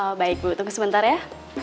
oh baik bu tunggu sebentar ya